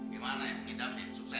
gimana ya pidamnya sukses